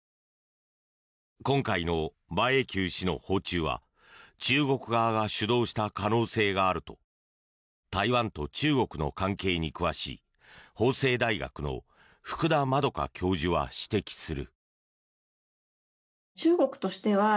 今回の馬英九氏の訪中は中国側が主導した可能性があると台湾と中国の関係に詳しい法政大学の福田円教授は指摘する。